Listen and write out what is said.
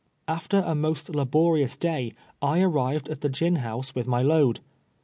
After a most laborious day I arrived at the gin house with my load.